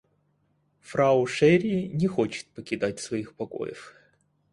Фрау Шерри не хочет покидать своих покоев.